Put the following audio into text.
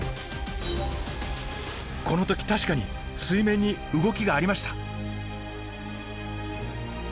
この時確かに水面に動きがありました。